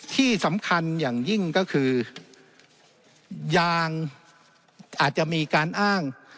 ที่สำคัญอย่างยิ่งก็คือยางอาจจะมีการอ้าง